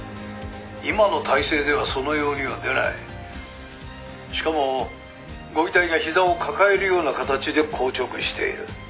「今の体勢ではそのようには出ない」「しかもご遺体がひざを抱えるような形で硬直している」